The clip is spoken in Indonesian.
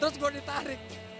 terus gue ditarik